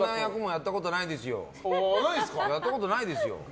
やったことないですよ。